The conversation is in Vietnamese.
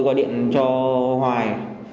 qua điện cho hoài